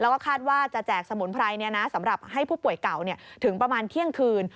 แล้วก็คาดว่าจะแจกสมุนไพรสำหรับให้ผู้ป่วยเก่าถึงประมาณเที่ยงคืน